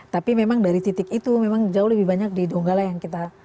tapi memang dari titik itu memang jauh lebih banyak di donggala yang kita